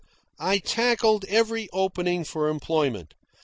I tackled every opening for employment.